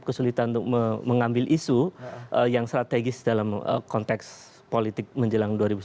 kesulitan untuk mengambil isu yang strategis dalam konteks politik menjelang dua ribu sembilan belas